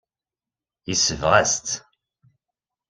Yesbeɣ-as-tt.